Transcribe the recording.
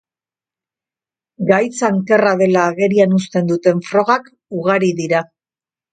Gaitz ankerra dela agerian uzten duten frogak ugari dira.